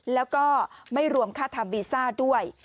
แล้วก็ไม่รวมค่าทำวีซ่าด้วย